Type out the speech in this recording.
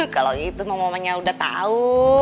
kalau itu momomennya udah tahu